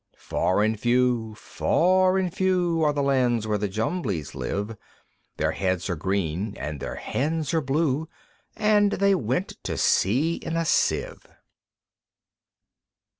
Far and few, far and few, Are the lands where the Jumblies live; Their heads are green, and their hands are blue, And they went to sea in a Sieve.